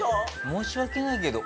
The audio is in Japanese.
申し訳ないけど。